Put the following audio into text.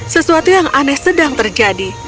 sesuatu yang aneh sedang terjadi